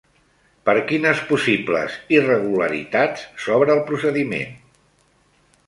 Per quines possibles irregularitats s'obre el procediment?